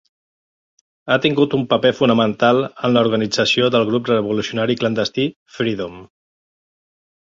Ha tingut un paper fonamental en l'organització del grup revolucionari clandestí, Freedom.